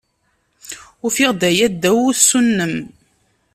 Ufiɣ-d aya ddaw wusu-nnem.